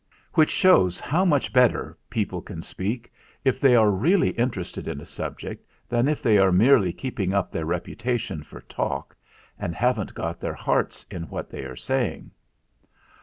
Which shows how much better people can speak if they are really interested in a subject than if they are merely keeping up their repu tation for talk and haven't got their hearts in what they are saying.